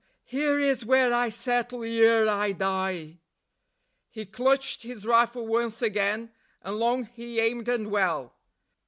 here is where I settle ere I die." He clutched his rifle once again, and long he aimed and well.